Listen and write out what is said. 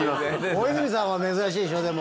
大泉さんは珍しいでしょでも。